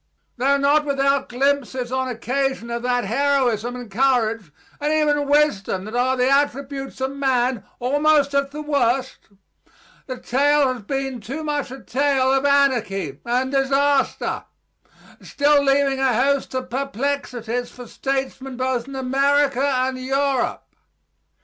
Tho not without glimpses on occasion of that heroism and courage and even wisdom that are the attributes of man almost at the worst, the tale has been too much a tale of anarchy and disaster, still leaving a host of perplexities for statesmen both in America and Europe.